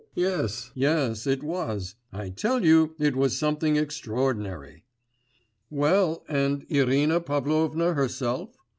Yes, yes, it was. I tell you it was something extraordinary.' 'Well, and Irina Pavlovna herself?